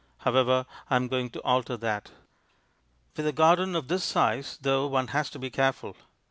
However, I am going to alter that. With a garden of this size, though, one has to be careful.